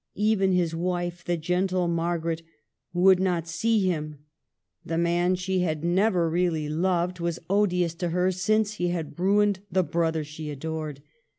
Even his wife, the gentle Margaret, would not see him. The man she had never really loved SEQUELS. 8 1 was odious to her since he had ruined the brother she adored.